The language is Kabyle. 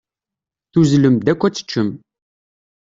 Tuzzlem-d akk ad teččem.